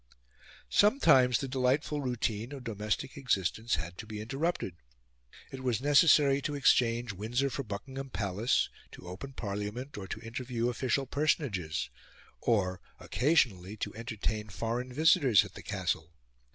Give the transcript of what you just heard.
Sometimes the delightful routine of domestic existence had to be interrupted. It was necessary to exchange Windsor for Buckingham Palace, to open Parliament, or to interview official personages, or, occasionally, to entertain foreign visitors at the Castle.